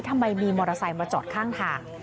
ทำไมมีมอเตอร์ไซค์มาจอดข้างทาง